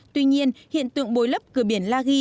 tuy nhiên hiện tượng bồi lấp cửa biển la di